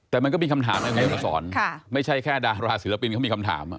แต่มันก็มีคำถามยังไงอาสรไม่ใช่แค่ราชศิลปินก็มีคำถาม